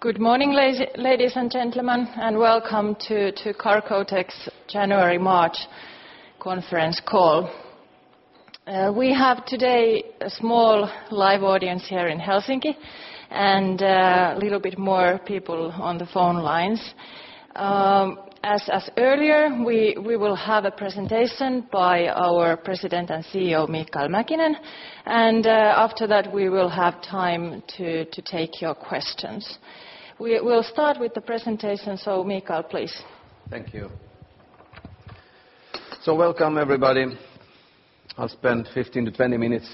Good morning, ladies and gentlemen, and welcome to Cargotec's January-March conference call. We have today a small live audience here in Helsinki and a little bit more people on the phone lines. As earlier, we will have a presentation by our President and CEO, Mikael Mäkinen. After that we will have time to take your questions. We will start with the presentation. Mikael, please. Thank you. Welcome everybody. I'll spend 15-20 minutes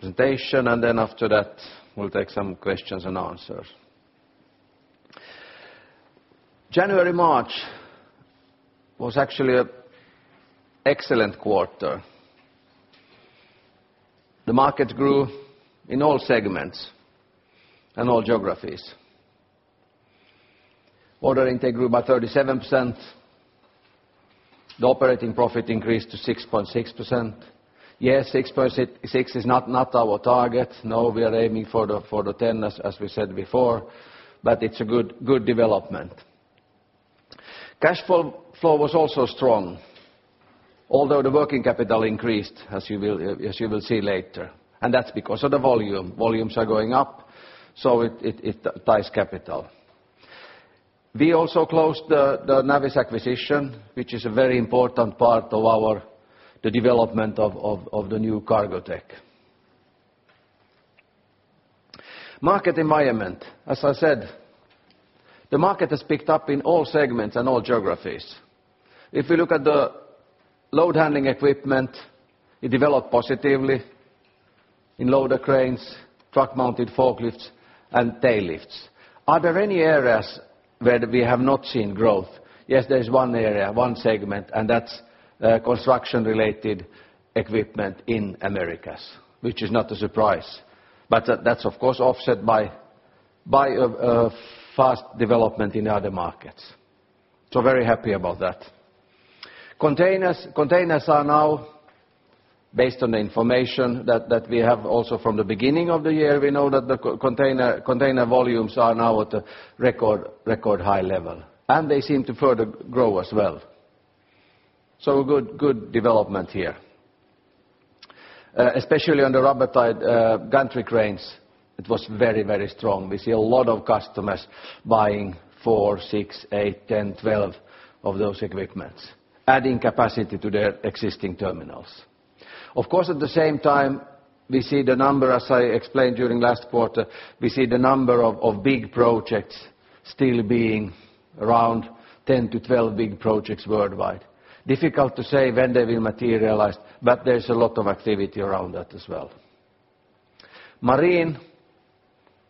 presentation. After that, we'll take some questions and answers. January-March was actually an excellent quarter. The market grew in all segments and all geographies. Order intake grew by 37%. The operating profit increased to 6.6%. Yes, 6.6% is not our target. No, we are aiming for the 10% as we said before, but it's a good development. Cash flow was also strong, although the working capital increased, as you will see later. That's because of the volume. Volumes are going up, it ties capital. We also closed the Navis acquisition, which is a very important part of the development of the new Cargotec. Market environment. As I said, the market has picked up in all segments and all geographies. If you look at the load handling equipment, it developed positively in loader cranes, truck-mounted forklifts, and tail lifts. Are there any areas where we have not seen growth? Yes, there is one area, one segment, and that's construction-related equipment in Americas, which is not a surprise. That's of course offset by a fast development in other markets. Very happy about that. Containers are now, based on the information that we have also from the beginning of the year, we know that the container volumes are now at a record high level, and they seem to further grow as well. Good development here. Especially on the rubber-tired gantry cranes, it was very strong. We see a lot of customers buying four, six, eight, 10, 12 of those equipments, adding capacity to their existing terminals. At the same time, we see the number, as I explained during last quarter, of big projects still being around 10-12 big projects worldwide. Difficult to say when they will materialize. There's a lot of activity around that as well. Marine.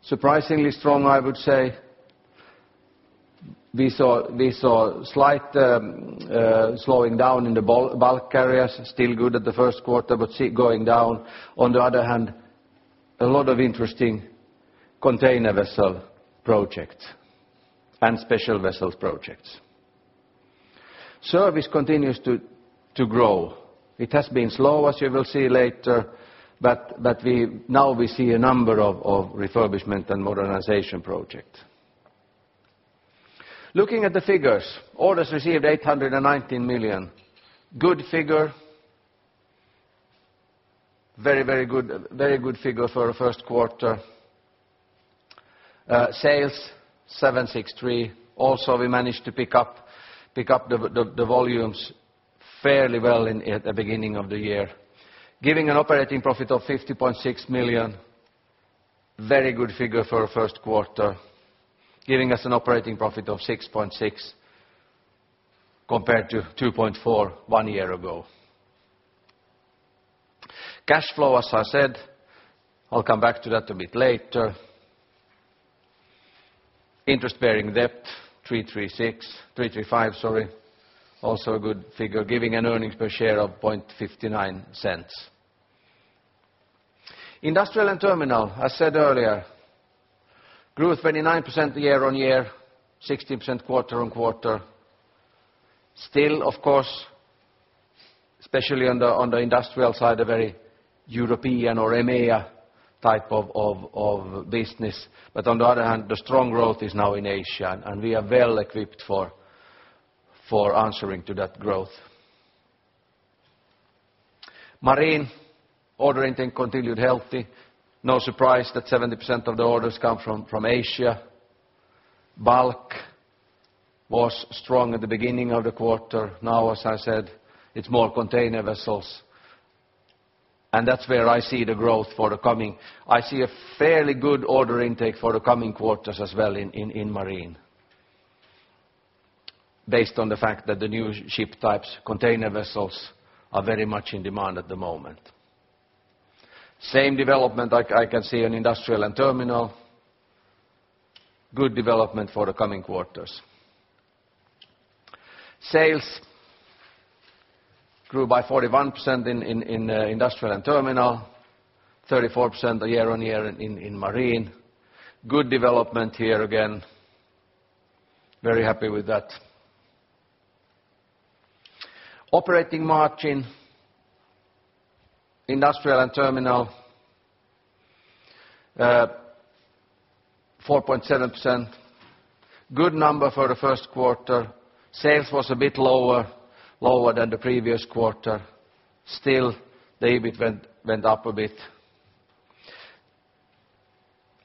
Surprisingly strong, I would say. We saw slight slowing down in the bulk carriers. Still good at the first quarter. See it going down. On the other hand, a lot of interesting container vessel projects and special vessels projects. Service continues to grow. It has been slow, as you will see later, but now we see a number of refurbishment and modernization projects. Looking at the figures. Orders received 819 million. Good figure. Very good figure for a first quarter. Sales 763 million. We managed to pick up the volumes fairly well at the beginning of the year, giving an operating profit of 50.6 million. Very good figure for a first quarter, giving us an operating profit of 6.6% compared to 2.4% one year ago. Cash flow, as I said, I'll come back to that a bit later. Interest bearing debt, 335 million. A good figure, giving an earnings per share of 0.59. Industrial and Terminal, I said earlier, grew 29% year-on-year, 60% quarter-on-quarter. Of course, especially on the industrial side, a very European or EMEA type of business. On the other hand, the strong growth is now in Asia, and we are well equipped for answering to that growth. Marine order intake continued healthy. No surprise that 70% of the orders come from Asia. Bulk was strong at the beginning of the quarter. Now, as I said, it's more container vessels. That's where I see the growth for the coming. I see a fairly good order intake for the coming quarters as well in Marine based on the fact that the new ship types, container vessels, are very much in demand at the moment. Same development I can see on Industrial and Terminal. Good development for the coming quarters. Sales grew by 41% in Industrial and Terminal, 34% year-on-year in Marine. Good development here again. Very happy with that. Operating margin, Industrial and Terminal, 4.7%. Good number for the first quarter. Sales was a bit lower than the previous quarter. The EBIT went up a bit.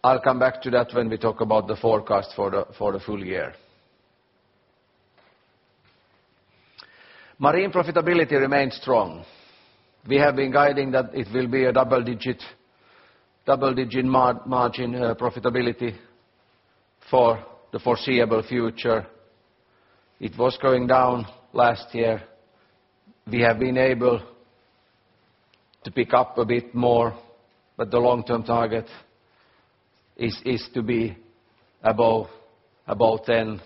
I'll come back to that when we talk about the forecast for the full year. Marine profitability remains strong. We have been guiding that it will be a double-digit margin profitability for the foreseeable future. It was going down last year. We have been able to pick up a bit more, but the long-term target is to be above 10,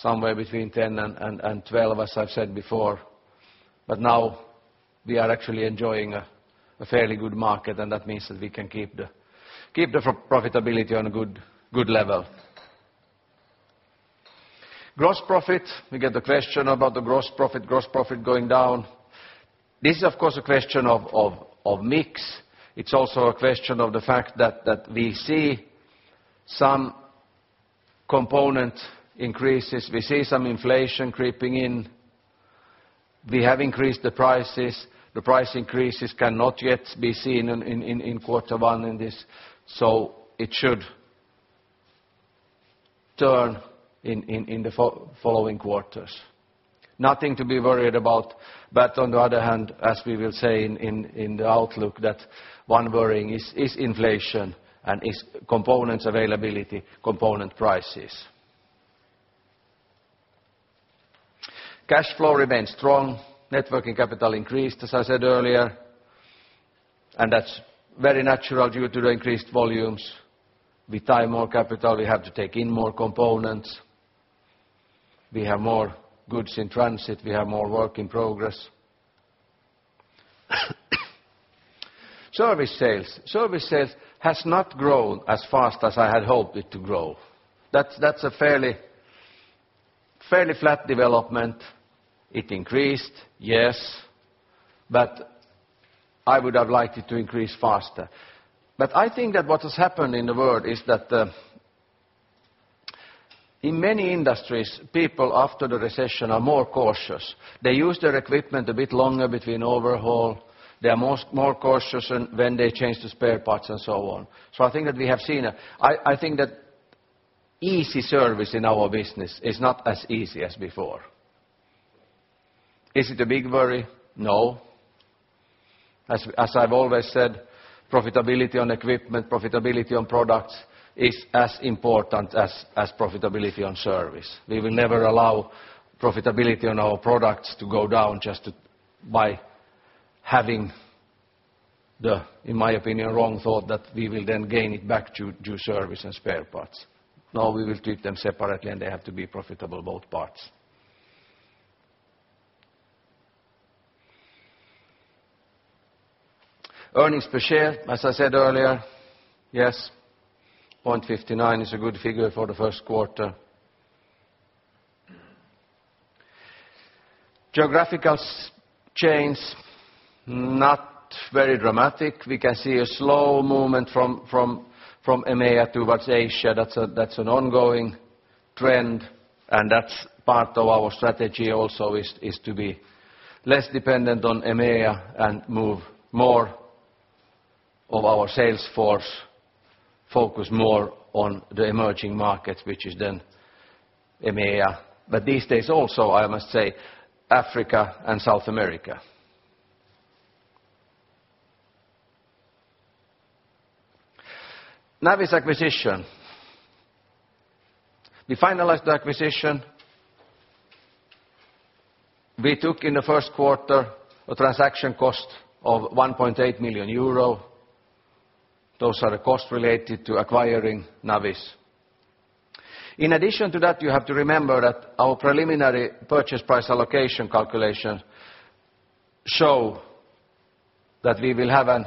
somewhere between 10 and 12, as I've said before. Now we are actually enjoying a fairly good market, and that means that we can keep the profitability on a good level. Gross profit, we get a question about the gross profit going down. This is of course a question of mix. It's also a question of the fact that we see some component increases, we see some inflation creeping in. We have increased the prices. The price increases cannot yet be seen in quarter one in this. It should turn in the following quarters. Nothing to be worried about. On the other hand, as we will say in the outlook, that one worrying is inflation and components availability, component prices. Cash flow remains strong. Net working capital increased, as I said earlier, and that's very natural due to the increased volumes. We tie more capital, we have to take in more components. We have more goods in transit, we have more work in progress. Service sales. Service sales has not grown as fast as I had hoped it to grow. That's a fairly flat development. It increased, yes, I would have liked it to increase faster. I think that what has happened in the world is that in many industries, people after the recession are more cautious. They use their equipment a bit longer between overhaul. They are more cautious when they change the spare parts and so on. I think that easy service in our business is not as easy as before. Is it a big worry? No. As I've always said, profitability on equipment, profitability on products is as important as profitability on service. We will never allow profitability on our products to go down just by having the, in my opinion, wrong thought that we will then gain it back through service and spare parts. No, we will treat them separately, and they have to be profitable, both parts. Earnings per share, as I said earlier, yes, 0.59 is a good figure for the first quarter. Geographical chains, not very dramatic. We can see a slow movement from EMEA towards Asia. That's an ongoing trend, and that's part of our strategy also is to be less dependent on EMEA and move more of our sales force, focus more on the emerging markets, which is then EMEA. These days also, I must say, Africa and South America. Navis acquisition. We finalized the acquisition. We took in the first quarter a transaction cost of 1.8 million euro. Those are the costs related to acquiring Navis. In addition to that, you have to remember that our preliminary purchase price allocation calculation show that we will have an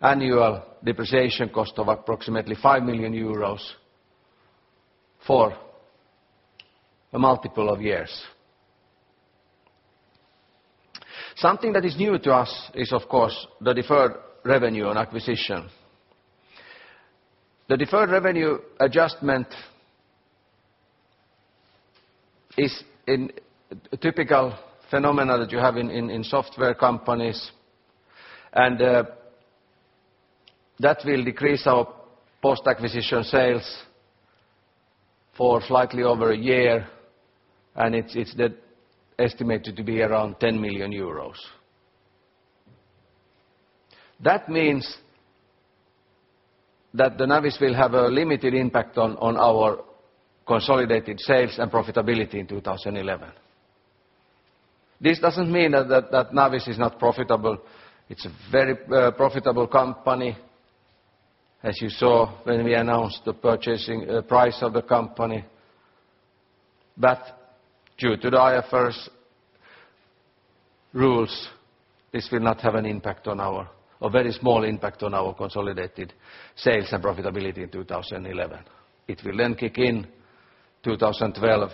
annual depreciation cost of approximately 5 million euros for a multiple of years. Something that is new to us is of course the deferred revenue on acquisition. The deferred revenue adjustment is a typical phenomenon that you have in software companies, that will decrease our post-acquisition sales for slightly over a year, and it's estimated to be around 10 million euros. That means that the Navis will have a limited impact on our consolidated sales and profitability in 2011. This doesn't mean that Navis is not profitable. It's a very profitable company. As you saw when we announced the purchasing price of the company. Due to the IFRS rules, this will not have an impact on our a very small impact on our consolidated sales and profitability in 2011. It will then kick in 2012.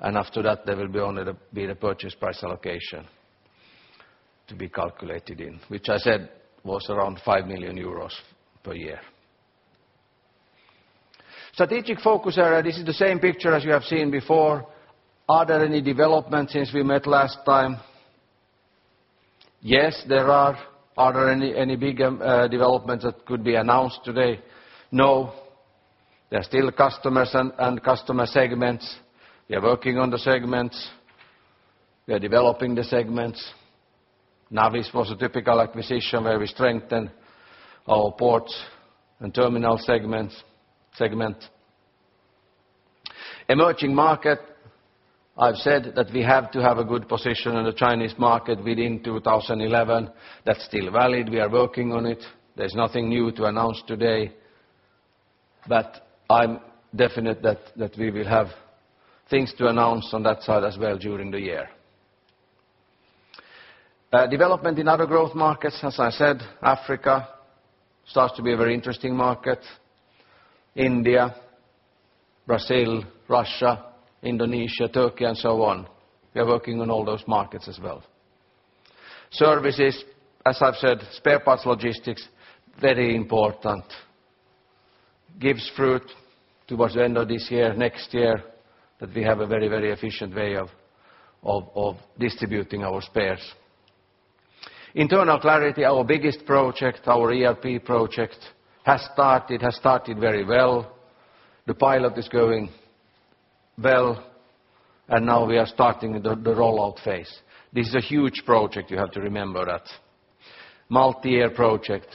After that there will be only the purchase price allocation to be calculated in, which I said was around 5 million euros per year. Strategic focus area, this is the same picture as you have seen before. Are there any developments since we met last time? Yes, there are. Are there any big developments that could be announced today? No. There are still customers and customer segments. We are working on the segments. We are developing the segments. This was a typical acquisition where we strengthen our Ports and Terminal segment. Emerging market, I've said that we have to have a good position in the Chinese market within 2011. That's still valid. We are working on it. There's nothing new to announce today, I'm definite that we will have things to announce on that side as well during the year. Development in other growth markets, as I said, Africa starts to be a very interesting market. India, Brazil, Russia, Indonesia, Turkey, and so on. We are working on all those markets as well. Services, as I've said, spare parts logistics, very important. Gives fruit towards the end of this year, next year, that we have a very, very efficient way of distributing our spares. Internal clarity, our biggest project, our ERP project, has started very well. The pilot is going well. Now we are starting the rollout phase. This is a huge project, you have to remember that. Multi-year project.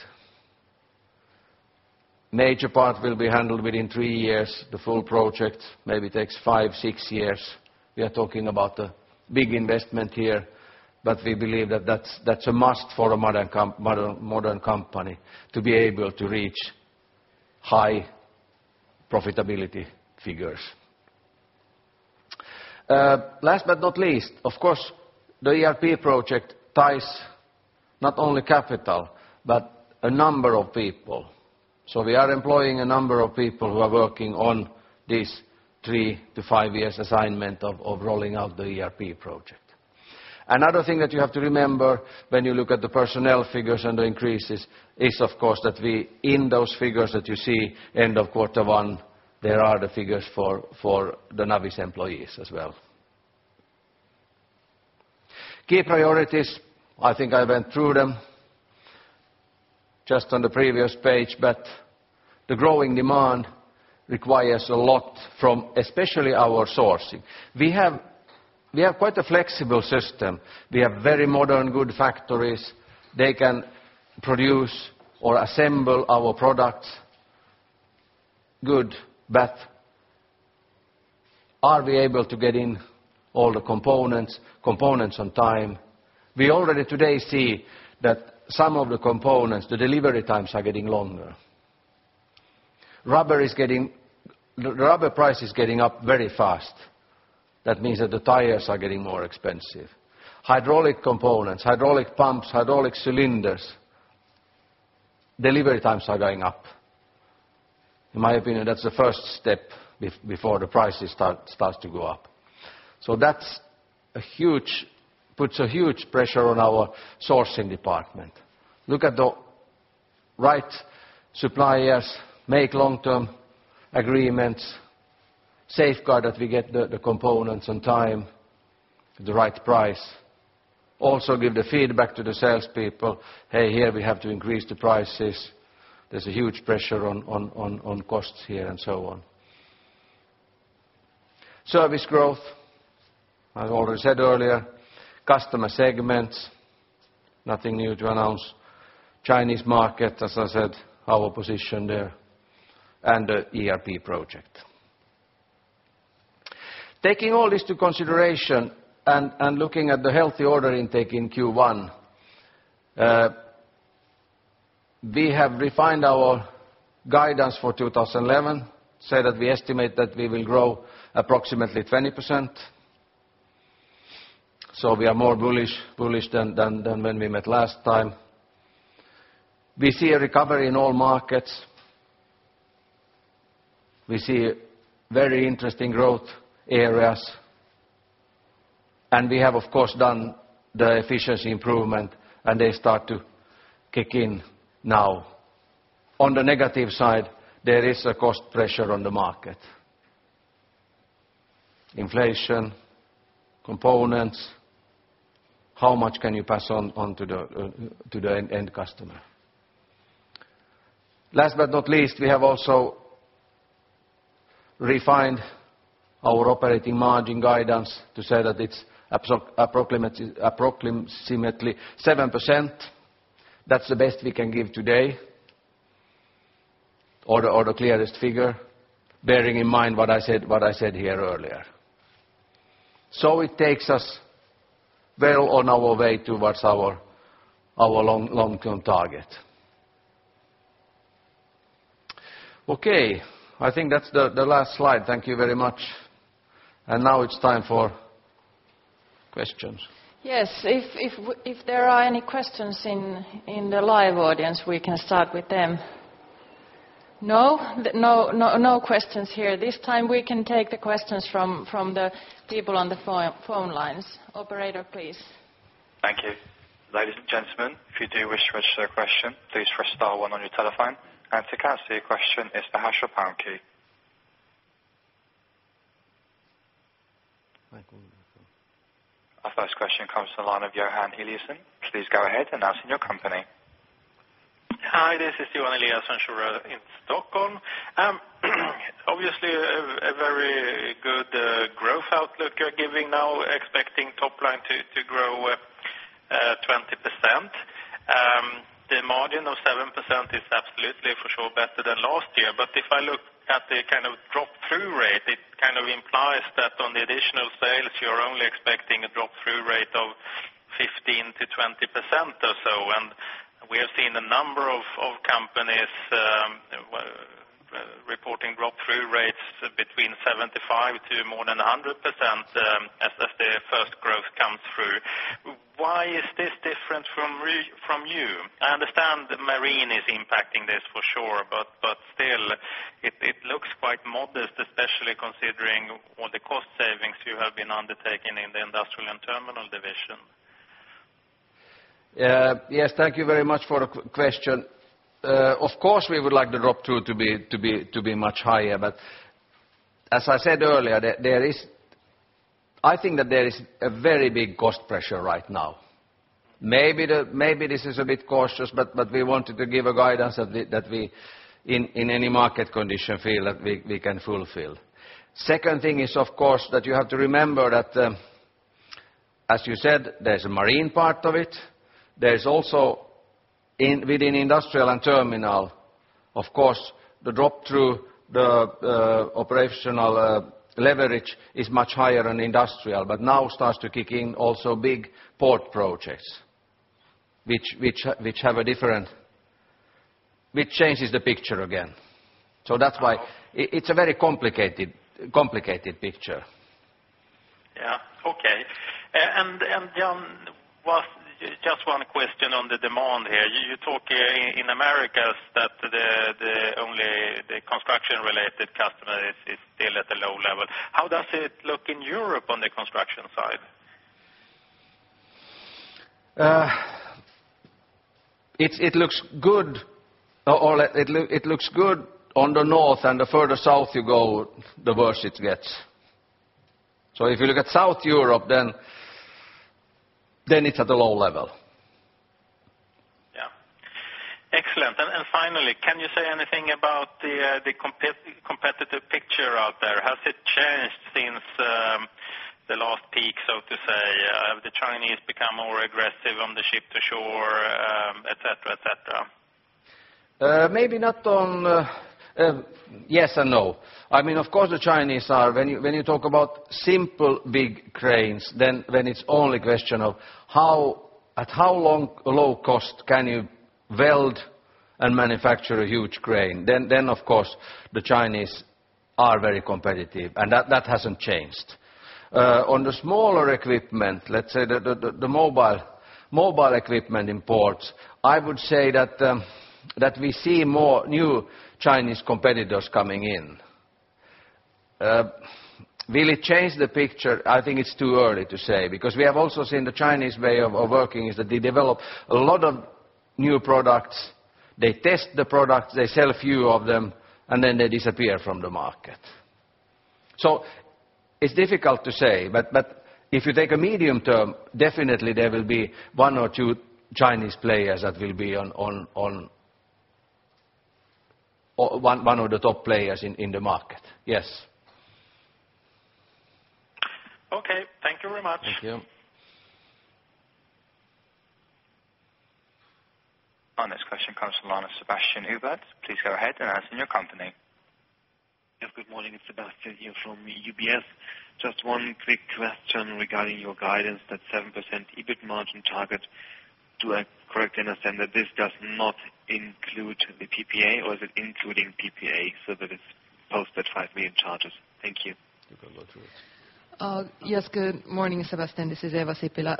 Major part will be handled within three years. The full project maybe takes five-six years. We are talking about a big investment here. We believe that that's a must for a modern company to be able to reach high profitability figures. Last but not least, of course, the ERP project ties not only capital, but a number of people. We are employing a number of people who are working on this three-five years assignment of rolling out the ERP project. Another thing that you have to remember when you look at the personnel figures and the increases is, of course, that. In those figures that you see end of quarter one, there are the figures for the Navis employees as well. Key priorities, I think I went through them just on the previous page. The growing demand requires a lot from especially our sourcing. We have quite a flexible system. We have very modern, good factories. They can produce or assemble our products good. Are we able to get in all the components on time? We already today see that some of the components, the delivery times are getting longer. The rubber price is getting up very fast. That means that the tires are getting more expensive. Hydraulic components, hydraulic pumps, hydraulic cylinders, delivery times are going up. In my opinion, that's the first step before the prices starts to go up. puts a huge pressure on our sourcing department. Look at the right suppliers, make long-term agreements, safeguard that we get the components on time at the right price. Also, give the feedback to the salespeople, "Hey, here we have to increase the prices. There's a huge pressure on costs here," and so on. Service growth, I've already said earlier, customer segments, nothing new to announce. Chinese market, as I said, our position there, and the ERP project. Taking all this to consideration and looking at the healthy order intake in Q1, we have refined our guidance for 2011, say that we estimate that we will grow approximately 20%. We are more bullish than when we met last time. We see a recovery in all markets. We see very interesting growth areas, and we have, of course, done the efficiency improvement, and they start to kick in now. On the negative side, there is a cost pressure on the market. Inflation, components, how much can you pass on to the end customer? Last but not least, we have also refined our operating margin guidance to say that it's approximately 7%. That's the best we can give today or the clearest figure, bearing in mind what I said here earlier. It takes us well on our way towards our long-term target. Okay, I think that's the last slide. Thank you very much. Now it's time for questions. Yes. If there are any questions in the live audience, we can start with them. No? No, no questions here. This time we can take the questions from the people on the phone lines. Operator, please. Thank you. Ladies and gentlemen, if you do wish to register a question, please press star one on your telephone. To cancel your question, it's the hash or pound key. I think so. Our first question comes from the line of Johan Eliason. Please go ahead, and announce your company. Hi, this is Johan Eliason, Cheuvreux in Stockholm. Obviously a very good growth outlook you're giving now, expecting top line to grow 20%. The margin of 7% is absolutely for sure better than last year. If I look at the kind of drop-through rate, it kind of implies that on the additional sales, you're only expecting a drop-through rate of 15%-20% or so. We have seen a number of companies reporting drop-through rates between 75% to more than 100% as the first growth comes through. Why is this different from you? I understand the marine is impacting this for sure. Still it looks quite modest, especially considering all the cost savings you have been undertaking in the industrial and terminal division. Yes. Thank you very much for the question. Of course, we would like the drop-through to be much higher. As I said earlier, there is I think that there is a very big cost pressure right now. Maybe this is a bit cautious, but we wanted to give a guidance that we in any market condition feel that we can fulfill. Second thing is, of course, that you have to remember that as you said, there's a marine part of it. There's also within industrial and terminal, of course, the drop-through, the operational leverage is much higher on industrial, but now starts to kick in also big port projects which have a different which changes the picture again. That's why. Uh- ...it's a very complicated picture. Yeah. Okay. And, just one question on the demand here. You talk in Americas that the only the construction related customer is still at a low level. How does it look in Europe on the construction side? it's, it looks good. It looks good on the north and the further south you go, the worse it gets. If you look at South Europe, then it's at a low level. Yeah. Excellent. Finally, can you say anything about the competitive picture out there? Has it changed since the last peak, so to say? Have the Chinese become more aggressive on the Ship to shore, et cetera, et cetera? Maybe not on. Yes and no. I mean, of course, the Chinese are. When you talk about simple big cranes, then, when it's only a question of low cost can you weld and manufacture a huge crane, then, of course, the Chinese are very competitive, and that hasn't changed. On the smaller equipment, let's say the mobile equipment in ports, I would say that we see more new Chinese competitors coming in. Will it change the picture? I think it's too early to say, because we have also seen the Chinese way of working is that they develop a lot of new products, they test the products, they sell a few of them, and then they disappear from the market. It's difficult to say, but if you take a medium term, definitely there will be one or two Chinese players that will be on one of the top players in the market. Yes. Okay. Thank you very much. Thank you. Our next question comes from the line of Sebastian Ubert. Please go ahead and announce your company. Good morning. It's Sebastian here from UBS. Just one quick question regarding your guidance, that 7% EBIT margin target. Do I correctly understand that this does not include the PPA or is it including PPA so that it's post that 5 million charges? Thank you. You can go to it. Yes, good morning, Sebastian. This is Eeva Sipilä.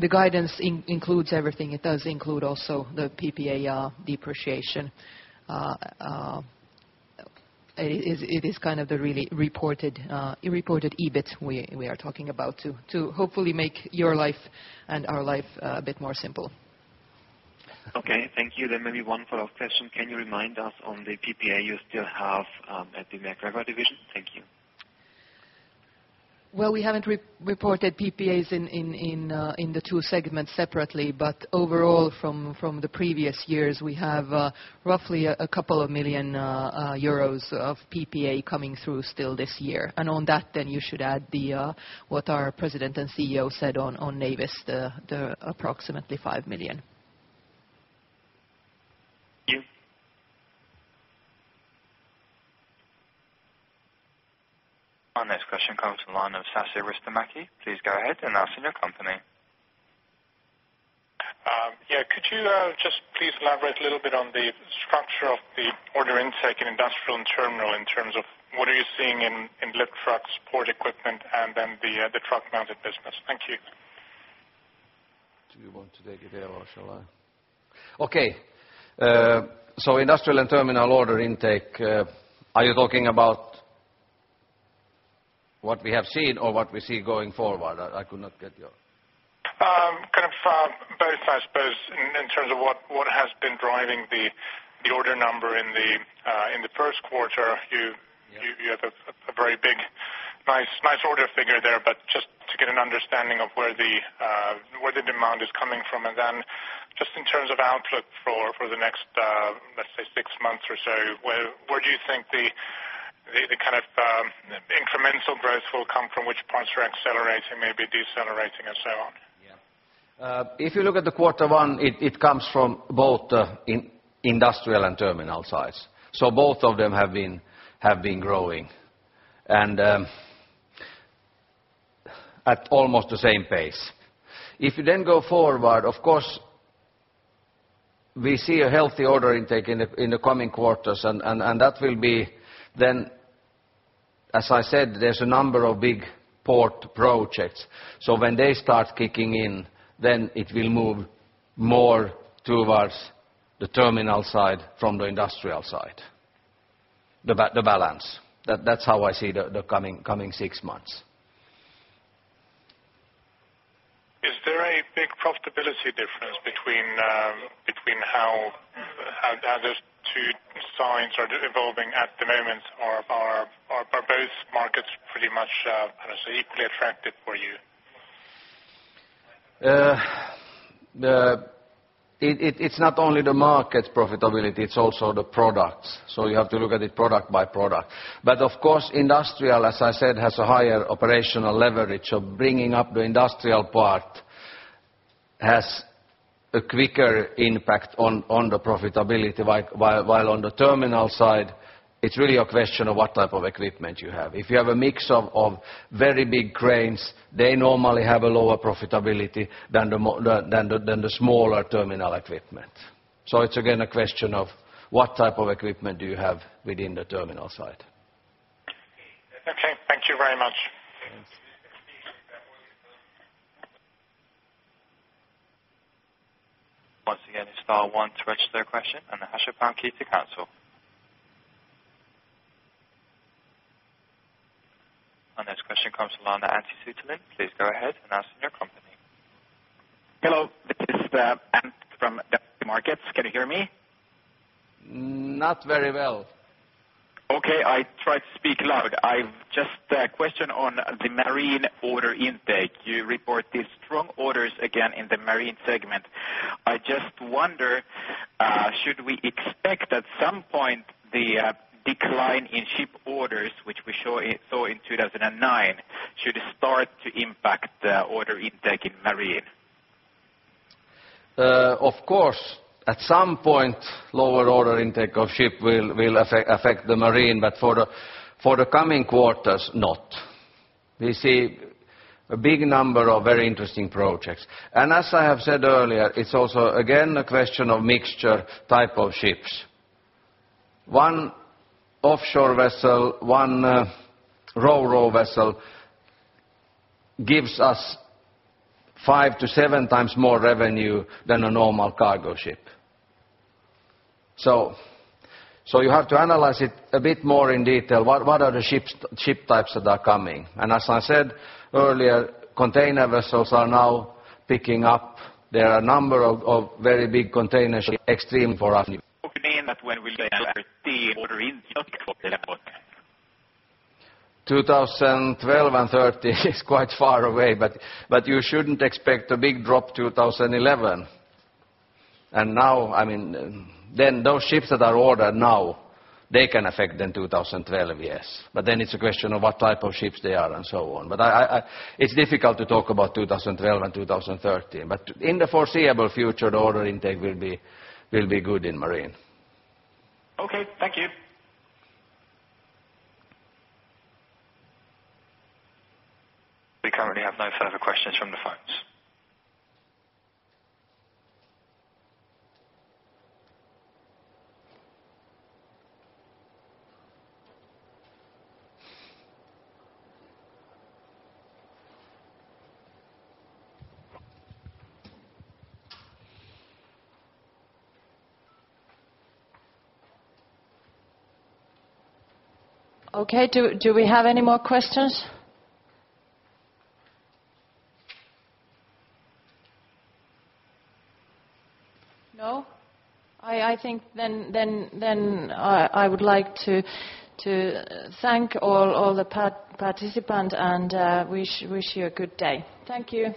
The guidance includes everything. It does include also the PPA depreciation. It is kind of the really reported EBIT we are talking about to hopefully make your life and our life a bit more simple. Okay. Thank you. Maybe one follow-up question. Can you remind us on the PPA you still have at the MacGregor division? Thank you. Well, we haven't reported PPAs in the two segments separately, but overall from the previous years, we have roughly 2 million euros of PPA coming through still this year. On that you should add what our President and CEO said on Navis, approximately 5 million. Thank you. Our next question comes from the line of Sasu Ristimäki. Please go ahead and announce your company. Could you just please elaborate a little bit on the structure of the order intake in Industrial and Terminal in terms of what are you seeing in lift trucks, port equipment, and then the truck mounted business? Thank you. Do you want to take it, or shall I? Okay. Industrial and Terminal order intake, are you talking about what we have seen or what we see going forward? I could not get your- kind of, both, I suppose, in terms of what has been driving the order number in the first quarter. Yeah. You had a very big, nice order figure there, just to get an understanding of where the demand is coming from. Just in terms of outlook for the next, let's say six months or so, where do you think the kind of incremental growth will come from? Which parts are accelerating, maybe decelerating and so on? Yeah. If you look at the quarter one, it comes from both Industrial and Terminal sides. Both of them have been growing and at almost the same pace. If you then go forward, of course we see a healthy order intake in the coming quarters and that will be then, as I said, there's a number of big port projects. When they start kicking in, then it will move more towards the terminal side from the industrial side. The balance. That's how I see the coming six months. Is there a big profitability difference between how those two sides are evolving at the moment? Or are both markets pretty much, how to say, equally attractive for you? The, it's not only the market profitability, it's also the products. You have to look at it product by product. Of course, industrial, as I said, has a higher operational leverage. Bringing up the industrial part has a quicker impact on the profitability. While on the terminal side, it's really a question of what type of equipment you have. If you have a mix of very big cranes, they normally have a lower profitability than the smaller terminal equipment. It's again, a question of what type of equipment do you have within the terminal side. Okay. Thank you very much. Thanks. Once again, it's star one to register a question and the hash or pound key to cancel. Our next question comes from the line of Antti Suttelin. Please go ahead and announce your company. Hello, this is Antti from Okay. Thank you. We currently have no further questions from the phones. Okay. Do we have any more questions? No? I think I would like to thank all the participant and wish you a good day. Thank you.